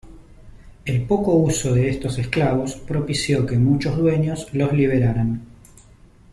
El poco uso de estos esclavos propició que muchos dueños los liberaran.